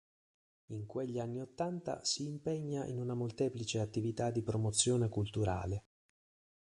In quegli anni Ottanta si impegna in una molteplice attività di promozione culturale.